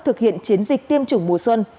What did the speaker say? thực hiện chiến dịch tiêm chủng mùa xuân